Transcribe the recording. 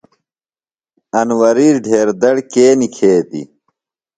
انوری ڈھیر دڑ کے نِکھیتیۡ؟